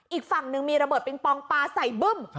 อีกฝั่งหนึ่งมีระเบิดปิงปองปลาใส่บึ้ม